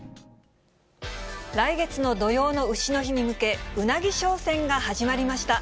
来月の土用のうしの日に向け、うなぎ商戦が始まりました。